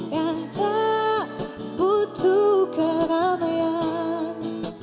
yang tak butuh keramaian